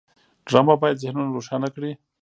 ډرامه باید ذهنونه روښانه کړي